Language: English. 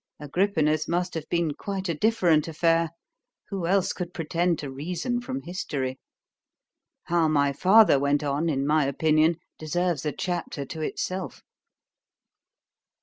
—Agrippina's must have been quite a different affair; who else could pretend to reason from history? How my father went on, in my opinion, deserves a chapter to itself.